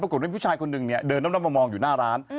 ปรากฏผู้ชายคนหนึ่งเดินนั่มมามองอยู่หน้าร้าน